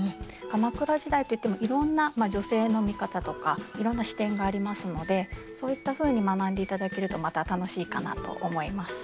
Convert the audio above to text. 鎌倉時代といってもいろんな女性の見方とかいろんな視点がありますのでそういったふうに学んでいただけるとまた楽しいかなと思います。